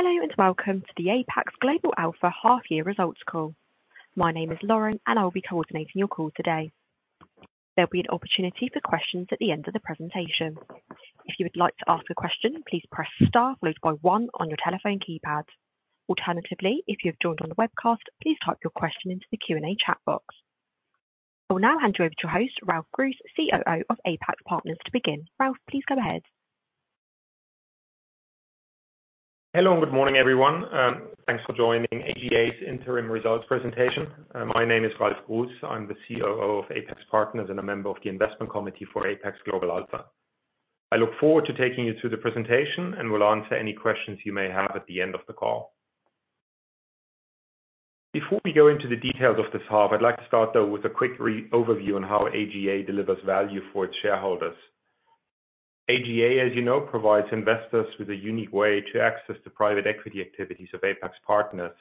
Hello and welcome to the Apax Global Alpha half year results call. My name is Lauren, and I will be coordinating your call today. There'll be an opportunity for questions at the end of the presentation. If you would like to ask a question, please press star followed by one on your telephone keypad. Alternatively, if you have joined on the webcast, please type your question into the Q&A chat box. I will now hand you over to your host, Ralf Gruss, COO of Apax Partners to begin. Ralf, please go ahead. Hello and good morning, everyone. Thanks for joining AGA's interim results presentation. My name is Ralf Gruss. I'm the COO of Apax Partners and a member of the investment committee for Apax Global Alpha. I look forward to taking you through the presentation and will answer any questions you may have at the end of the call. Before we go into the details of this half, I'd like to start, though, with a quick overview on how AGA delivers value for its shareholders. AGA, as you know, provides investors with a unique way to access the private equity activities of Apax Partners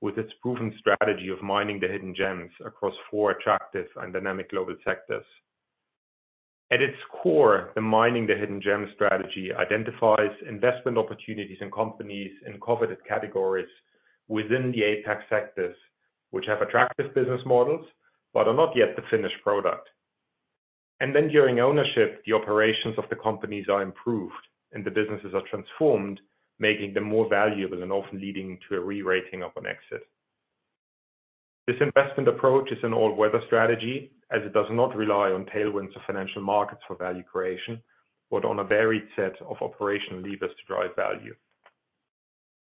with its proven strategy of mining the hidden gems across four attractive and dynamic global sectors. At its core, the Mining the Hidden Gem strategy identifies investment opportunities in companies in coveted categories within the Apax sectors, which have attractive business models but are not yet the finished product. Then during ownership, the operations of the companies are improved and the businesses are transformed, making them more valuable and often leading to a re-rating upon exit. This investment approach is an all-weather strategy as it does not rely on tailwinds of financial markets for value creation, but on a varied set of operational levers to drive value.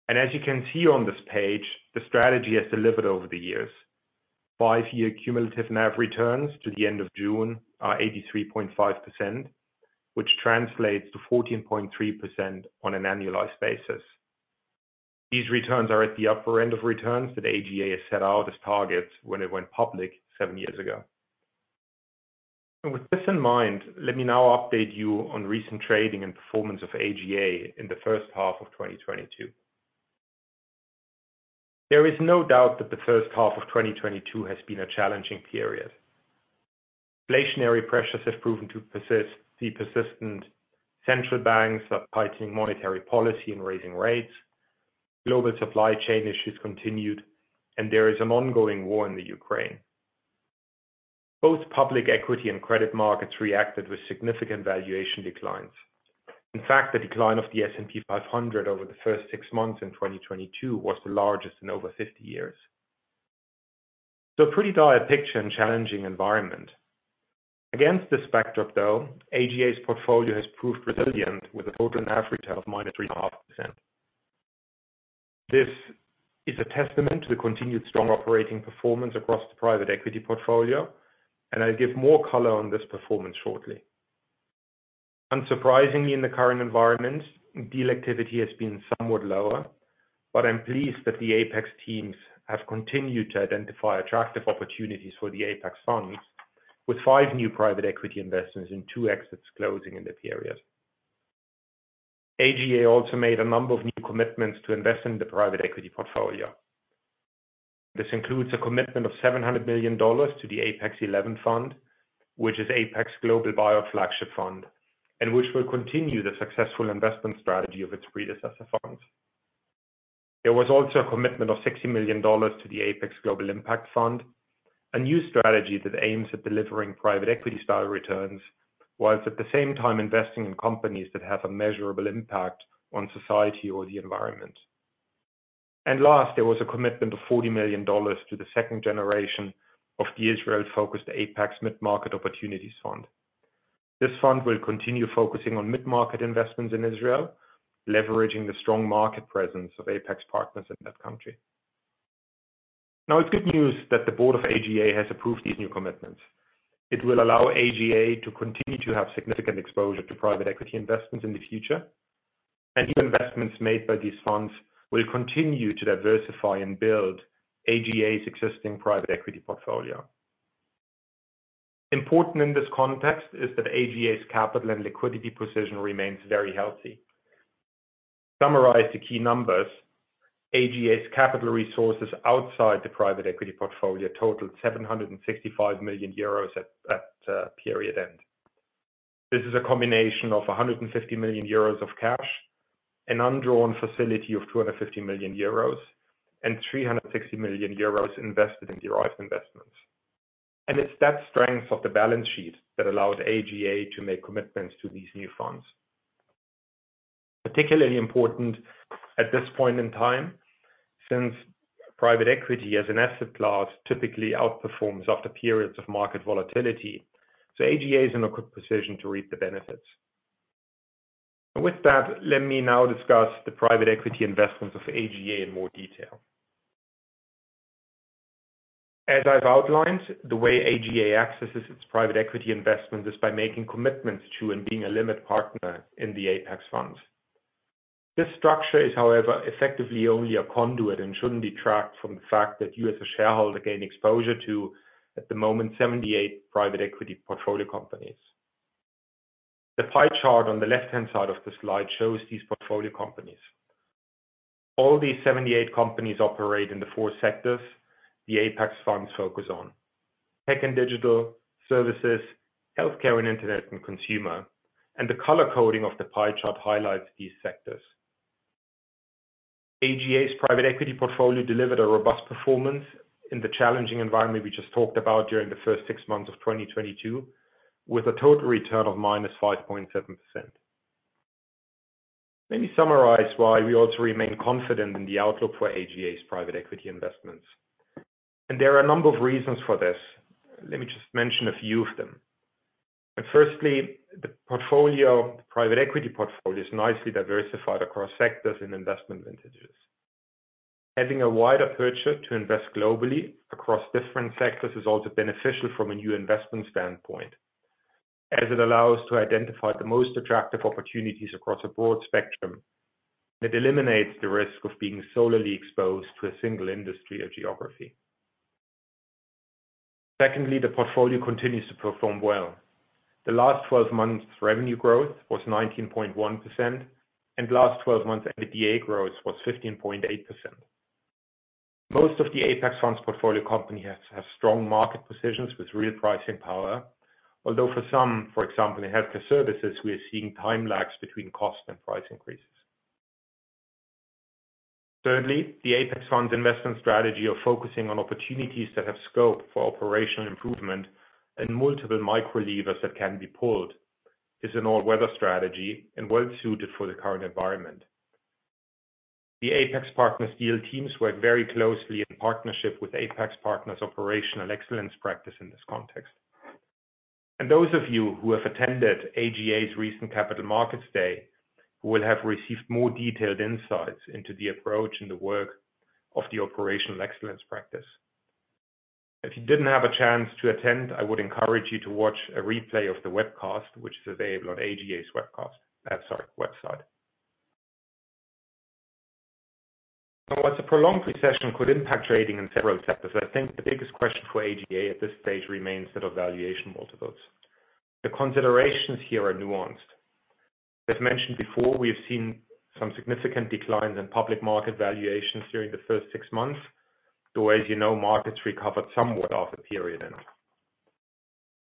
As you can see on this page, the strategy has delivered over the years. Five-year cumulative NAV returns to the end of June are 83.5%, which translates to 14.3% on an annualized basis. These returns are at the upper end of returns that AGA has set out as targets when it went public seven-years ago. With this in mind, let me now update you on recent trading and performance of AGA in the first half of 2022. There is no doubt that the first half of 2022 has been a challenging period. Inflationary pressures have proven to be persistent. Central banks are fighting monetary policy and raising rates. Global supply chain issues continued, and there is an ongoing war in Ukraine. Both public equity and credit markets reacted with significant valuation declines. In fact, the decline of the S&P 500 over the first six months in 2022 was the largest in over 50 years. A pretty dire picture and challenging environment. Against this backdrop, though, AGA's portfolio has proved resilient with a total NAV return of -3.5%. This is a testament to the continued strong operating performance across the private equity portfolio, and I'll give more color on this performance shortly. Unsurprisingly, in the current environment, deal activity has been somewhat lower, but I'm pleased that the Apax teams have continued to identify attractive opportunities for the Apax funds, with five new private equity investments and two exits closing in the period. AGA also made a number of new commitments to invest in the private equity portfolio. This includes a commitment of $700 million to the Apax XI Fund, which is Apax's global buyout flagship fund, and which will continue the successful investment strategy of its predecessor funds. There was also a commitment of $60 million to the Apax Global Impact Fund, a new strategy that aims at delivering private equity style returns, while at the same time investing in companies that have a measurable impact on society or the environment. Last, there was a commitment of $40 million to the second generation of the Israel-focused Apax Mid-Market Israel Opportunities Fund. This fund will continue focusing on mid-market investments in Israel, leveraging the strong market presence of Apax Partners in that country. Now, it's good news that the board of AGA has approved these new commitments. It will allow AGA to continue to have significant exposure to private equity investments in the future, and new investments made by these funds will continue to diversify and build AGA's existing private equity portfolio. Important in this context is that AGA's capital and liquidity position remains very healthy. Summarize the key numbers, AGA's capital resources outside the private equity portfolio totaled 765 million euros at period end. This is a combination of 150 million euros of cash, an undrawn facility of 250 million euros, and 360 million euros invested in derived investments. It's that strength of the balance sheet that allowed AGA to make commitments to these new funds. Particularly important at this point in time, since private equity as an asset class typically outperforms after periods of market volatility. AGA is in a good position to reap the benefits. With that, let me now discuss the private equity investments of AGA in more detail. As I've outlined, the way AGA accesses its private equity investment is by making commitments to and being a limited partner in the Apax funds. This structure is, however, effectively only a conduit and shouldn't be tracked from the fact that you as a shareholder gain exposure to, at the moment, 78 private equity portfolio companies. The pie chart on the left-hand side of the slide shows these portfolio companies. All these 78 companies operate in the four sectors the Apax funds focus on. Tech and digital services, healthcare and internet and consumer. The color coding of the pie chart highlights these sectors. AGA's private equity portfolio delivered a robust performance in the challenging environment we just talked about during the first six months of 2022, with a total return of -5.7%. Let me summarize why we also remain confident in the outlook for AGA's private equity investments. There are a number of reasons for this. Let me just mention a few of them. Firstly, the portfolio, private equity portfolio is nicely diversified across sectors and investment vintages. Having a wider purse to invest globally across different sectors is also beneficial from an investment standpoint, as it allows to identify the most attractive opportunities across a broad spectrum. It eliminates the risk of being solely exposed to a single industry or geography. Secondly, the portfolio continues to perform well. The last 12 months revenue growth was 19.1%, and last 12 months EBITDA growth was 15.8%. Most of the Apax Funds portfolio company has strong market positions with real pricing power. Although for some, for example, in healthcare services, we are seeing time lags between cost and price increases. Thirdly, the Apax Funds investment strategy of focusing on opportunities that have scope for operational improvement and multiple micro levers that can be pulled is an all-weather strategy and well suited for the current environment. The Apax Partners deal teams work very closely in partnership with Apax Partners Operational Excellence Practice in this context. Those of you who have attended AGA's recent Capital Markets Day will have received more detailed insights into the approach and the work of the Operational Excellence Practice. If you didn't have a chance to attend, I would encourage you to watch a replay of the webcast, which is available on AGA's website. Now, as a prolonged recession could impact trading in several sectors, I think the biggest question for AGA at this stage remains our valuation multiples. The considerations here are nuanced. As mentioned before, we have seen some significant declines in public market valuations during the first six months, though as you know, markets recovered somewhat after period end.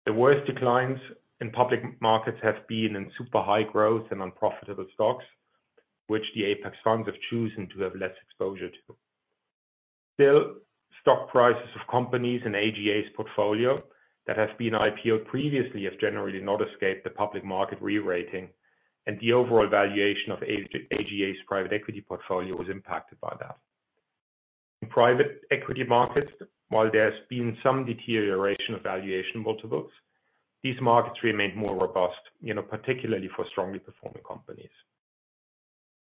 The worst declines in public markets have been in super high growth and unprofitable stocks, which the Apax Funds have chosen to have less exposure to. Still, stock prices of companies in AGA's portfolio that have been IPO'd previously have generally not escaped the public market re-rating, and the overall valuation of AGA's private equity portfolio was impacted by that. In private equity markets, while there's been some deterioration of valuation multiples, these markets remained more robust, you know, particularly for strongly performing companies.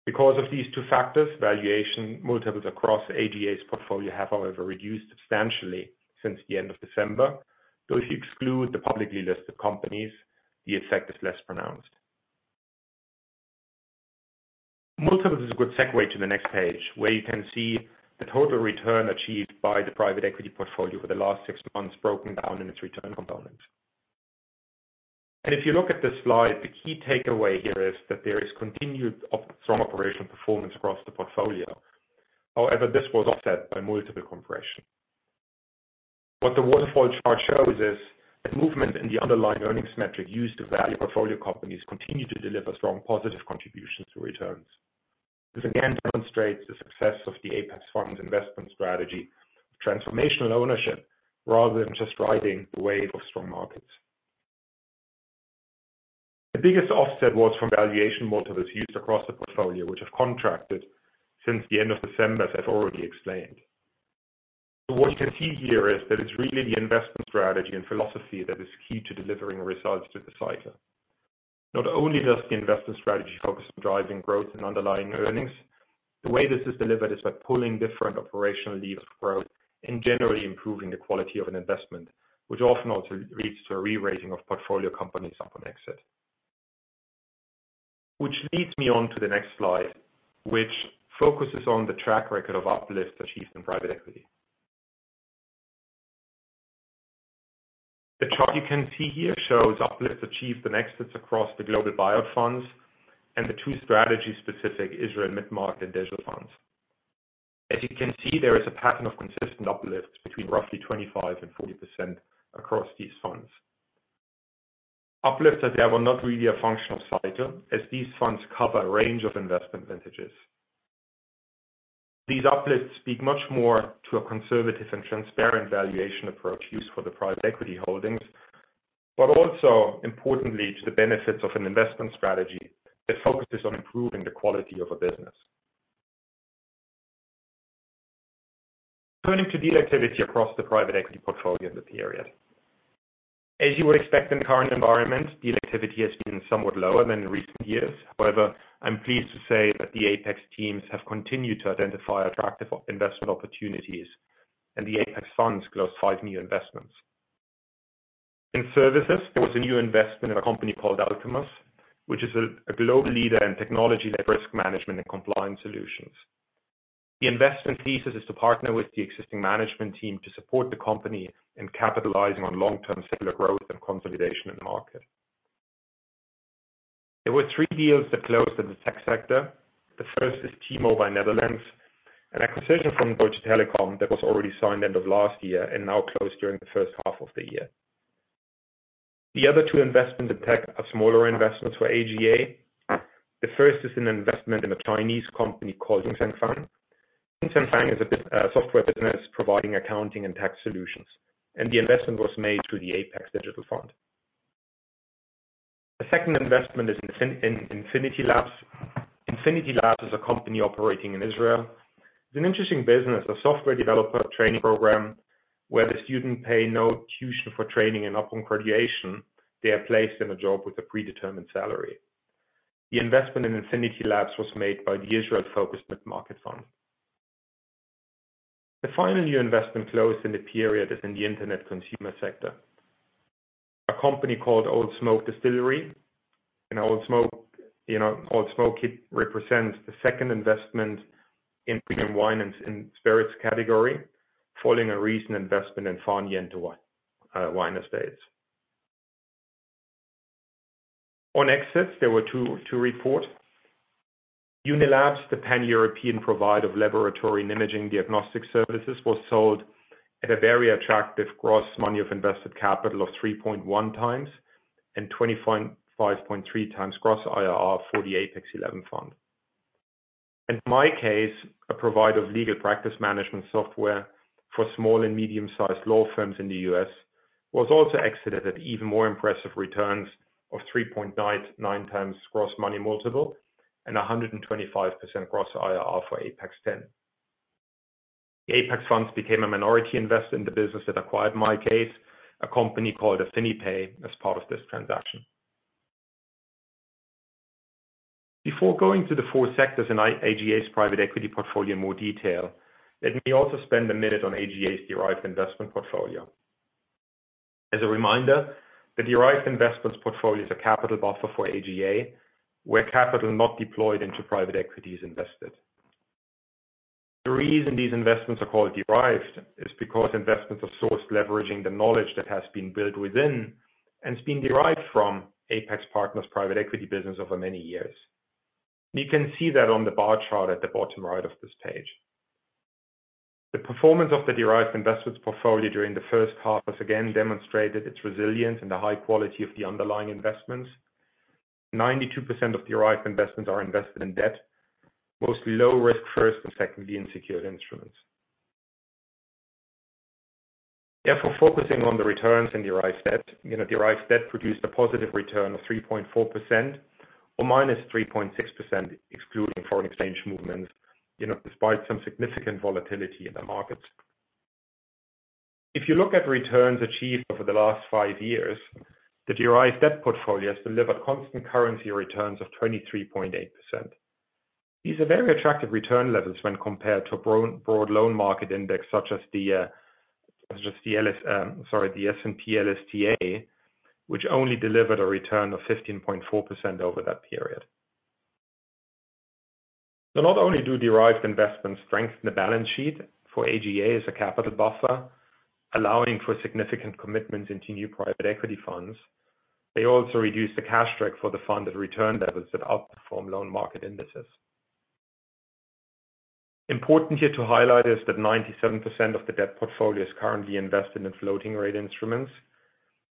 Because of these two factors, valuation multiples across AGA's portfolio have however reduced substantially since the end of December, though if you exclude the publicly listed companies, the effect is less pronounced. Multiples is a good segue to the next page, where you can see the total return achieved by the private equity portfolio for the last six months, broken down in its return component. If you look at this slide, the key takeaway here is that there is continued strong operational performance across the portfolio. However, this was offset by multiple compression. What the waterfall chart shows is that movement in the underlying earnings metric used to value portfolio companies continue to deliver strong positive contributions to returns. This again demonstrates the success of the Apax Funds investment strategy of transformational ownership rather than just riding the wave of strong markets. The biggest offset was from valuation multiples used across the portfolio, which have contracted since the end of December, as I've already explained. What you can see here is that it's really the investment strategy and philosophy that is key to delivering results through the cycle. Not only does the investment strategy focus on driving growth and underlying earnings, the way this is delivered is by pulling different operational levers of growth and generally improving the quality of an investment, which often also leads to a re-rating of portfolio companies upon exit. Which leads me on to the next slide, which focuses on the track record of uplifts achieved in private equity. The chart you can see here shows uplifts achieved in exits across the global buyout funds and the two strategy-specific Israeli mid-market and digital funds. As you can see, there is a pattern of consistent uplifts between roughly 25% and 40% across these funds. Uplifts as they were not really a function of cycle, as these funds cover a range of investment vintages. These uplifts speak much more to a conservative and transparent valuation approach used for the private equity holdings, but also importantly to the benefits of an investment strategy that focuses on improving the quality of a business. Turning to deal activity across the private equity portfolio this period. As you would expect in the current environment, deal activity has been somewhat lower than in recent years. However, I'm pleased to say that the Apax teams have continued to identify attractive investment opportunities, and the Apax Funds closed 5 new investments. In services, there was a new investment in a company called Alcumus, which is a global leader in technology and risk management and compliance solutions. The investment thesis is to partner with the existing management team to support the company in capitalizing on long-term secular growth and consolidation in the market. There were three deals that closed in the tech sector. The first is T-Mobile Netherlands, an acquisition from Deutsche Telekom that was already signed end of last year and now closed during the first half of the year. The other two investments in tech are smaller investments for AGA. The first is an investment in a Chinese company called YunZhangFang. YunZhangFang is a software business providing accounting and tax solutions, and the investment was made through the Apax Digital Fund. The second investment is in Infinity Labs. Infinity Labs is a company operating in Israel. It's an interesting business, a software developer training program where the student pay no tuition for training, and upon graduation, they are placed in a job with a predetermined salary. The investment in Infinity Labs was made by the Apax Mid-Market Israel Opportunities Fund. The final new investment closed in the period is in the internet consumer sector. A company called Old Elk Distillery. Old Elk, you know, it represents the second investment in premium wine and in spirits category, following a recent investment in Far Niente Wine Estates. On exits, there were two to report. Unilabs, the Pan-European provider of laboratory and imaging diagnostic services, was sold at a very attractive gross multiple of invested capital of 3.1x and 25.3x gross IRR for the Apax XI fund. MyCase, a provider of legal practice management software for small and medium-sized law firms in the U.S., was also exited at even more impressive returns of 3.9x gross money multiple and 125% gross IRR for Apax X. The Apax funds became a minority investor in the business that acquired MyCase, a company called AffiniPay, as part of this transaction. Before going to the four sectors in AGA's private equity portfolio in more detail, let me also spend a minute on AGA's derived investment portfolio. As a reminder, the derived investments portfolio is a capital buffer for AGA, where capital not deployed into private equity is invested. The reason these investments are called derived is because investments are sourced leveraging the knowledge that has been built within and has been derived from Apax Partners' private equity business over many years. You can see that on the bar chart at the bottom right of this page. The performance of the direct investments portfolio during the first half has again demonstrated its resilience and the high quality of the underlying investments. 92% of direct investments are invested in debt, mostly low risk first and second lien, unsecured instruments. Therefore, focusing on the returns in direct debt, you know, direct debt produced a positive return of 3.4% or -3.6% excluding foreign exchange movements, you know, despite some significant volatility in the markets. If you look at returns achieved over the last five years, the direct debt portfolio has delivered constant currency returns of 23.8%. These are very attractive return levels when compared to a broad loan market index such as the S&P/LSTA, which only delivered a return of 15.4% over that period. Not only do debt investments strengthen the balance sheet for AGA as a capital buffer, allowing for significant commitments into new private equity funds, they also reduce the cash drag for the fund at return levels that outperform loan market indices. Important here to highlight is that 97% of the debt portfolio is currently invested in floating rate instruments.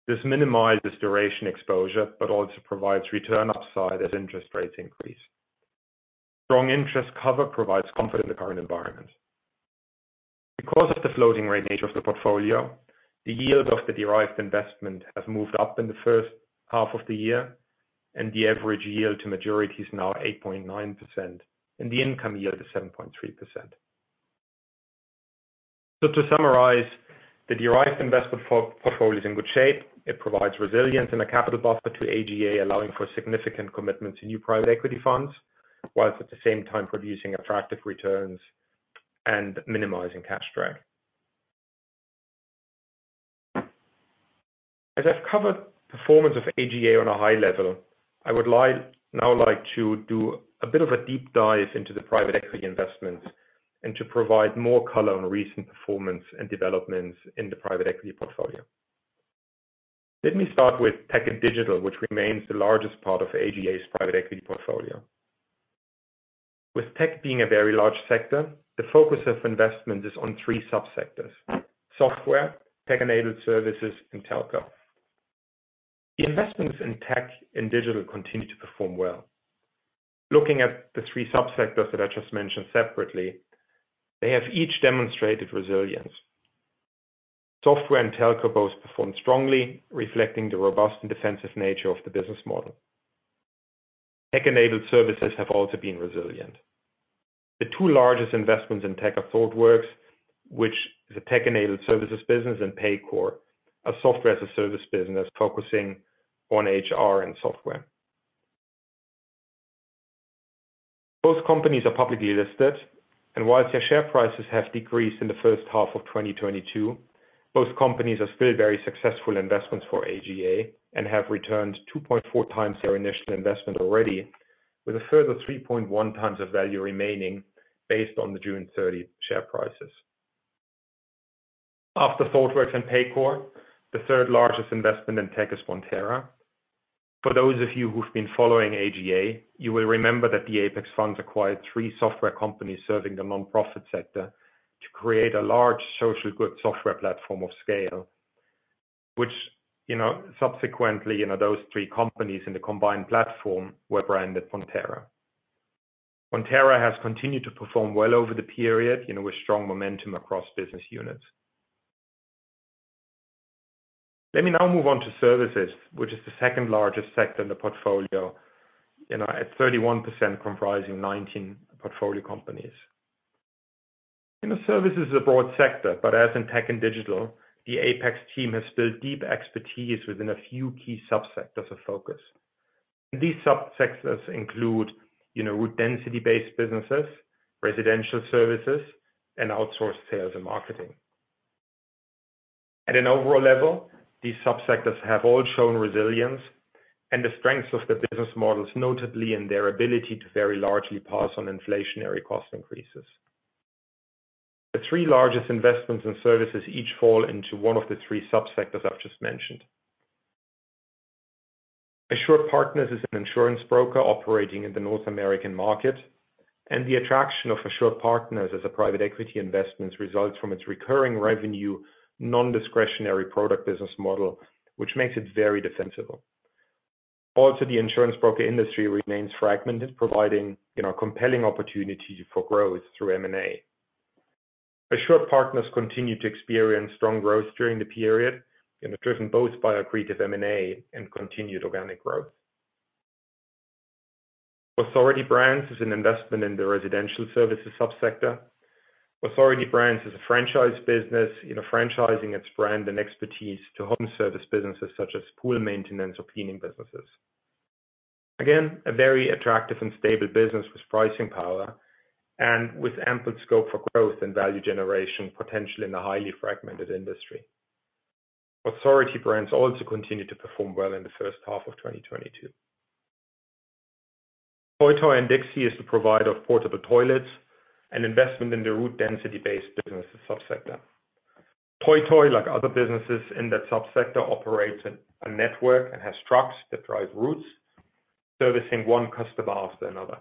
This minimizes duration exposure, but also provides return upside as interest rates increase. Strong interest cover provides comfort in the current environment. Because of the floating rate nature of the portfolio, the yield of the derived investment has moved up in the first half of the year, and the average yield to maturity is now 8.9%, and the income yield is 7.3%. To summarize, the derived investment portfolio is in good shape. It provides resilience and a capital buffer to AGA, allowing for significant commitments in new private equity funds, whilst at the same time producing attractive returns and minimizing cash drag. As I've covered performance of AGA on a high level, I would like now to do a bit of a deep dive into the private equity investments and to provide more color on recent performance and developments in the private equity portfolio. Let me start with tech and digital, which remains the largest part of AGA's private equity portfolio. With tech being a very large sector, the focus of investment is on three subsectors, software, tech-enabled services, and telco. The investments in tech and digital continue to perform well. Looking at the three subsectors that I just mentioned separately, they have each demonstrated resilience. Software and telco both perform strongly, reflecting the robust and defensive nature of the business model. Tech-enabled services have also been resilient. The two largest investments in tech are Thoughtworks, which is a tech-enabled services business, and Paycor, a software as a service business focusing on HR and software. Both companies are publicly listed, and while their share prices have decreased in the first half of 2022, both companies are still very successful investments for AGA and have returned 2.4 times their initial investment already, with a further 3.1 times of value remaining based on the June 30 share prices. After Thoughtworks and Paycor, the third largest investment in tech is Bonterra. For those of you who've been following AGA, you will remember that the Apax funds acquired three software companies serving the nonprofit sector to create a large social good software platform of scale, which, you know, subsequently, you know, those three companies in the combined platform were branded Bonterra. Bonterra has continued to perform well over the period, you know, with strong momentum across business units. Let me now move on to services, which is the second-largest sector in the portfolio, you know, at 31% comprising 19 portfolio companies. You know, services is a broad sector, but as in tech and digital, the Apax team has built deep expertise within a few key subsectors of focus. These subsectors include, you know, route density-based businesses, residential services, and outsourced sales and marketing. At an overall level, these subsectors have all shown resilience and the strengths of the business models, notably in their ability to very largely pass on inflationary cost increases. The three largest investments in services each fall into one of the three subsectors I've just mentioned. AssuredPartners is an insurance broker operating in the North American market, and the attraction of AssuredPartners as a private equity investment results from its recurring revenue, non-discretionary product business model, which makes it very defensible. Also, the insurance broker industry remains fragmented, providing, you know, compelling opportunities for growth through M&A. AssuredPartners continued to experience strong growth during the period, you know, driven both by accretive M&A and continued organic growth. Authority Brands is an investment in the residential services subsector. Authority Brands is a franchise business, you know, franchising its brand and expertise to home service businesses such as pool maintenance or cleaning businesses. Again, a very attractive and stable business with pricing power and with ample scope for growth and value generation potential in the highly fragmented industry. Authority Brands also continued to perform well in the first half of 2022. TOI TOI & DIXI is the provider of portable toilets and investment in the route density-based businesses subsector. TOI TOI & DIXI, like other businesses in that subsector, operates a network and has trucks that drive routes servicing one customer after another.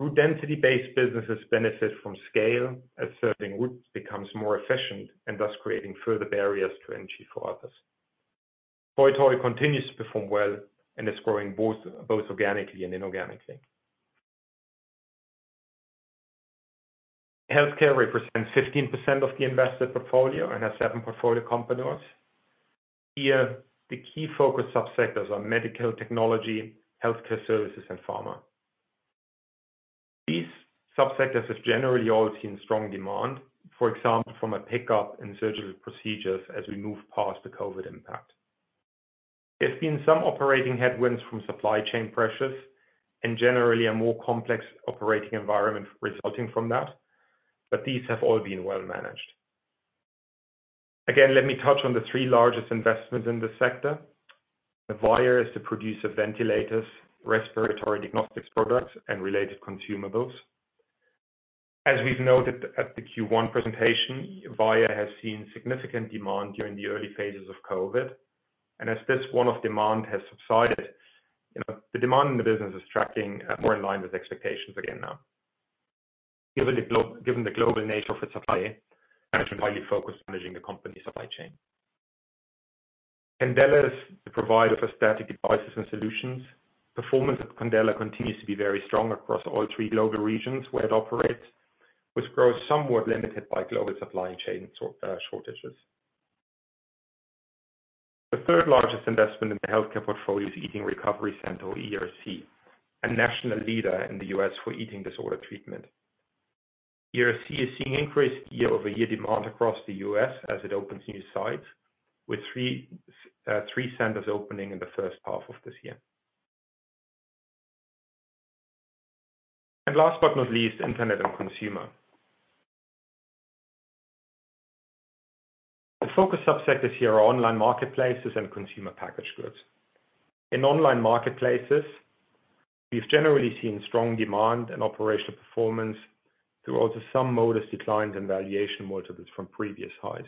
Route density-based businesses benefit from scale as serving routes becomes more efficient and thus creating further barriers to entry for others. TOI TOI & DIXI continues to perform well and is growing both organically and inorganically. Healthcare represents 15% of the invested portfolio and has seven portfolio companies. Here, the key focus subsectors are medical technology, healthcare services, and pharma. These subsectors have generally all seen strong demand, for example, from a pickup in surgical procedures as we move past the COVID impact. There's been some operating headwinds from supply chain pressures and generally a more complex operating environment resulting from that, but these have all been well managed. Again, let me touch on the three largest investments in this sector. Vyaire Medical is the producer of ventilators, respiratory diagnostics products, and related consumables. As we've noted at the Q1 presentation, Vyaire has seen significant demand during the early phases of COVID, and as this one-off demand has subsided, you know, the demand in the business is tracking more in line with expectations again now. Given the global nature of its supply, management highly focused on managing the company supply chain. Candela is the provider for aesthetic devices and solutions. Performance at Candela continues to be very strong across all three global regions where it operates, with growth somewhat limited by global supply chain shortages. The third-largest investment in the healthcare portfolio is Eating Recovery Center or ERC, a national leader in the U.S. for eating disorder treatment. ERC is seeing increased year-over-year demand across the U.S. as it opens new sites with three centers opening in the first half of this year. Last but not least, internet and consumer. The focus subsectors here are online marketplaces and consumer packaged goods. In online marketplaces, we've generally seen strong demand and operational performance through also some modest declines in valuation multiples from previous highs.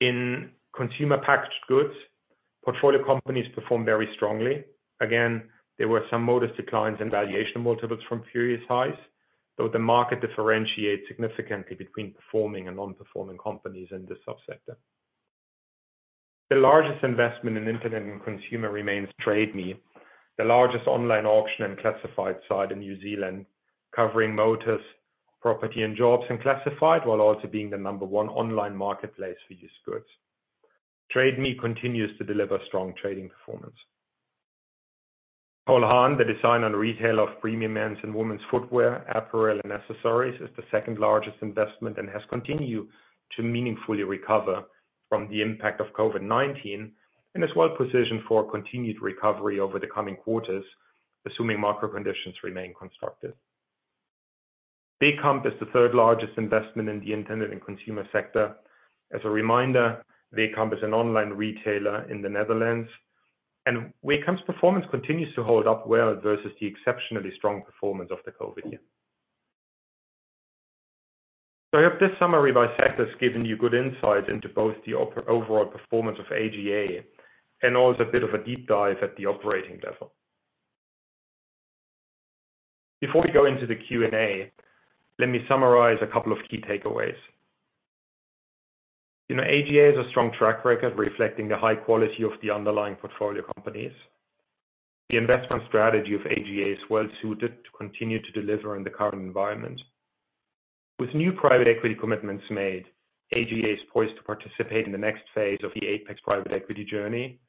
In consumer packaged goods, portfolio companies perform very strongly. Again, there were some modest declines in valuation multiples from previous highs, though the market differentiates significantly between performing and non-performing companies in this subsector. The largest investment in internet and consumer remains Trade Me, the largest online auction and classified site in New Zealand, covering motors, property and jobs, and classified, while also being the number one online marketplace for used goods. Trade Me continues to deliver strong trading performance. Cole Haan, the designer and retailer of premium men's and women's footwear, apparel, and accessories, is the second-largest investment and has continued to meaningfully recover from the impact of COVID-19 and is well-positioned for continued recovery over the coming quarters, assuming market conditions remain constructive. Wehkamp is the third-largest investment in the internet and consumer sector. As a reminder, Wehkamp is an online retailer in the Netherlands. Wehkamp's performance continues to hold up well versus the exceptionally strong performance of the COVID year. I hope this summary by sector has given you good insight into both the overall performance of AGA and also a bit of a deep dive at the operating level. Before we go into the Q&A, let me summarize a couple of key takeaways. You know, AGA has a strong track record reflecting the high quality of the underlying portfolio companies. The investment strategy of AGA is well suited to continue to deliver in the current environment. With new private equity commitments made, AGA is poised to participate in the next phase of the Apax Private Equity journey,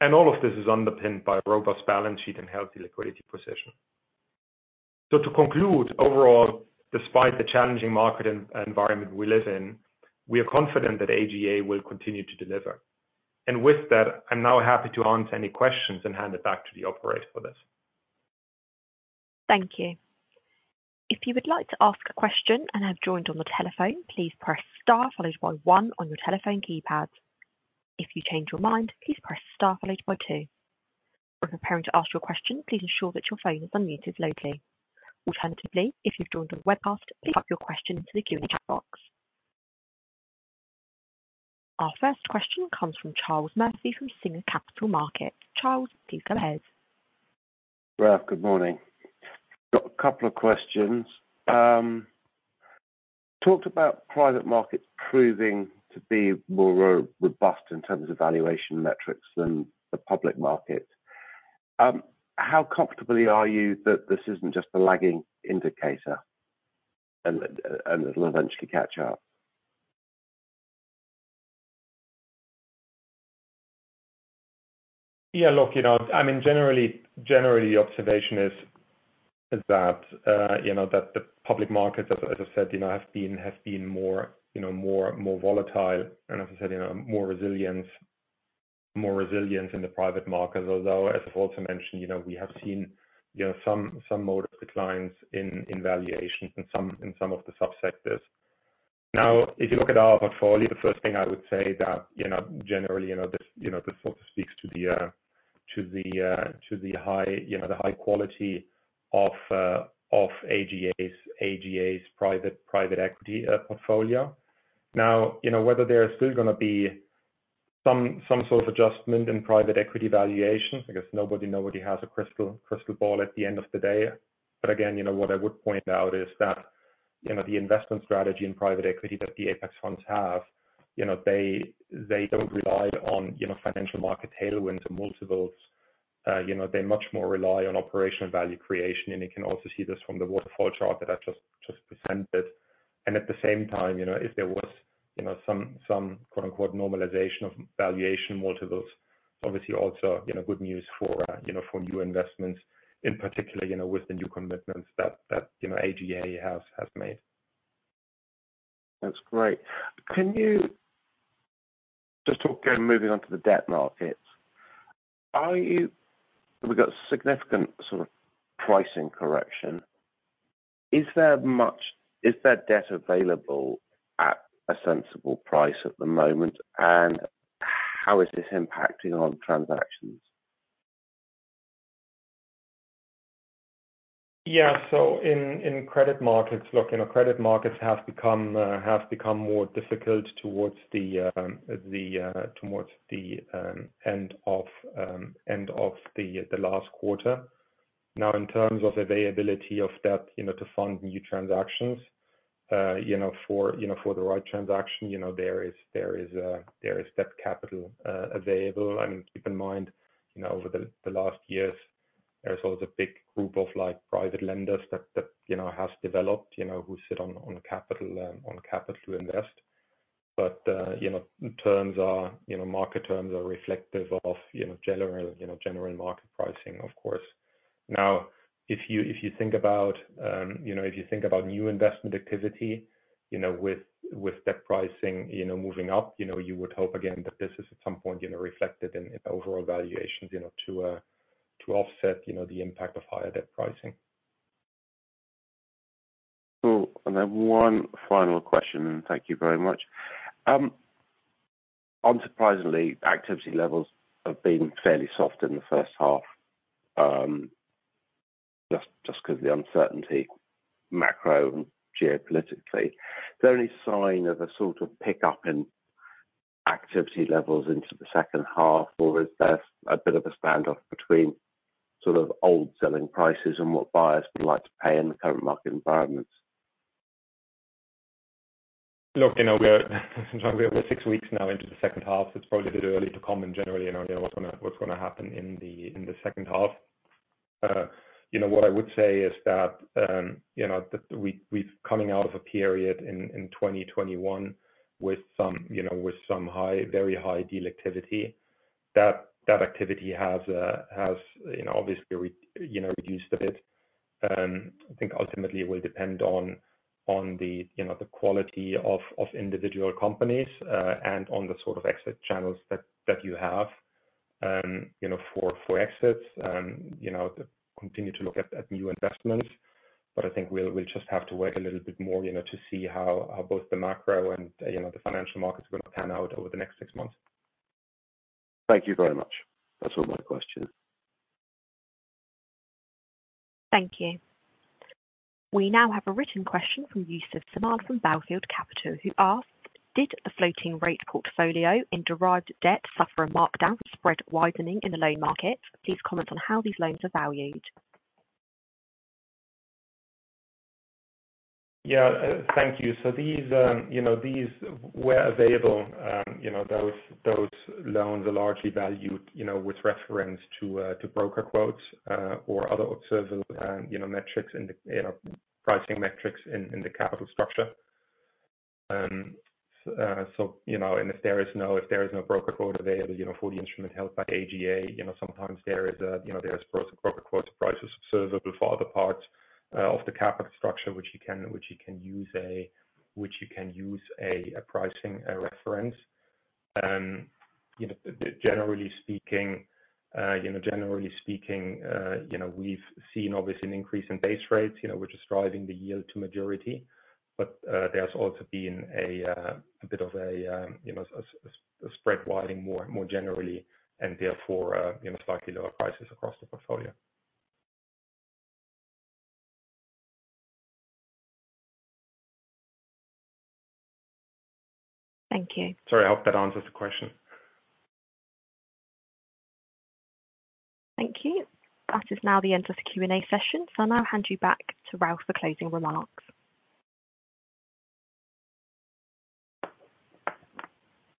and all of this is underpinned by a robust balance sheet and healthy liquidity position. To conclude, overall, despite the challenging market environment we live in, we are confident that AGA will continue to deliver. With that, I'm now happy to answer any questions and hand it back to the operator for this. Thank you. If you would like to ask a question and have joined on the telephone, please press star followed by one on your telephone keypad. If you change your mind, please press star followed by two. When preparing to ask your question, please ensure that your phone is unmuted locally. Alternatively, if you've joined on the webcast, please type your question to the Q&A chat box. Our first question comes from Charlie Murphy from Singer Capital Markets. Charlie, please go ahead. Ralf, good morning. Got a couple of questions. Talked about private markets proving to be more robust in terms of valuation metrics than the public market. How comfortably are you that this isn't just a lagging indicator and it'll eventually catch up? Yeah, look, you know, I mean, general observation is that, you know, that the public market, as I said, you know, has been more, you know, more volatile and, as I said, you know, more resilience in the private markets. Although, as I've also mentioned, you know, we have seen, you know, some moderate declines in valuation in some of the subsectors. Now, if you look at our portfolio, the first thing I would say that, you know, generally, you know, this, you know, this sort of speaks to the high, you know, the high quality of AGA's private equity portfolio. Now, you know, whether there's still gonna be some sort of adjustment in private equity valuations, I guess nobody has a crystal ball at the end of the day. Again, you know, what I would point out is that, you know, the investment strategy in private equity that the Apax funds have, you know, they don't rely on, you know, financial market tailwinds and multiples. You know, they much more rely on operational value creation, and you can also see this from the waterfall chart that I just presented. At the same time, you know, if there was, you know, some sort of quote-unquote normalization of valuation multiples, obviously also, you know, good news for, you know, for new investments in particular, you know, with the new commitments that, you know, AGA has made. That's great. Moving on to the debt markets. We've got significant sort of pricing correction. Is there debt available at a sensible price at the moment, and how is this impacting on transactions? In credit markets, look, you know, credit markets have become more difficult towards the end of the last quarter. Now, in terms of availability of debt, you know, to fund new transactions, you know, for the right transaction, you know, there is that capital available. I mean, keep in mind, you know, over the last years, there's always a big group of like private lenders that has developed, you know, who sit on capital to invest. Terms are reflective of general market pricing, of course. Now, if you think about new investment activity, you know, with debt pricing, you know, moving up, you know, you would hope again that this is at some point, you know, reflected in overall valuations, you know, to offset, you know, the impact of higher debt pricing. Cool. One final question, and thank you very much. Unsurprisingly, activity levels have been fairly soft in the first half, just 'cause of the uncertainty, macro and geopolitically. Is there any sign of a sort of pickup in activity levels into the second half, or is there a bit of a standoff between sort of old selling prices and what buyers would like to pay in the current market environment? Look, you know, we're six weeks now into the second half. It's probably a bit early to comment generally on, you know, what's gonna happen in the second half. You know, what I would say is that, you know, we've coming out of a period in 2021 with some very high deal activity. That activity has, you know, obviously reduced a bit. I think ultimately it will depend on the you know the quality of individual companies and on the sort of exit channels that you have you know for exits you know to continue to look at new investments. I think we'll just have to wait a little bit more you know to see how both the macro and the financial markets are gonna pan out over the next six months. Thank you very much. That's all my questions. Thank you. We now have a written question from Yusuf Samad from Belfield Capital who asks, "Did the floating rate portfolio in derived debt suffer a markdown spread widening in the loan market? Please comment on how these loans are valued. Yeah. Thank you. These were available. Those loans are largely valued with reference to broker quotes or other observable metrics in the pricing metrics in the capital structure. If there is no broker quote available for the instrument held by AGA, sometimes there are broker quote prices observable for other parts of the capital structure which you can use a pricing reference. Generally speaking, we've seen obviously an increase in base rates which is driving the yield to maturity. There's also been a bit of a, you know, a spread widening more generally and therefore, you know, slightly lower prices across the portfolio. Thank you. Sorry, I hope that answers the question. Thank you. That is now the end of the Q&A session. I'll now hand you back to Ralf for closing remarks.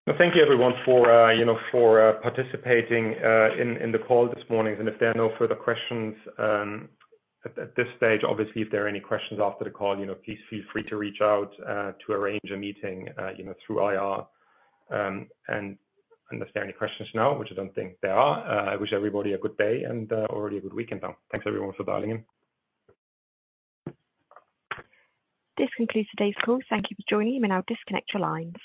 Well, thank you everyone for you know participating in the call this morning. If there are no further questions at this stage, obviously, if there are any questions after the call, you know, please feel free to reach out to arrange a meeting you know through IR. Unless there are any questions now, which I don't think there are, I wish everybody a good day and already a good weekend now. Thanks everyone for dialing in. This concludes today's call. Thank you for joining me and I'll disconnect your lines.